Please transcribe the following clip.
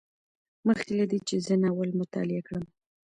مخکې له دې چې زه ناول مطالعه کړم